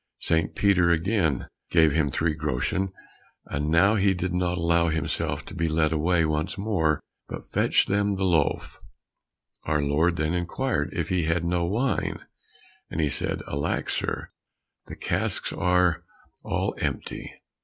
St. Peter again gave him three groschen, and now he did not allow himself to be led away once more, but fetched them the loaf. Our Lord then inquired if he had no wine, and he said, "Alack, sir, the casks are all empty!"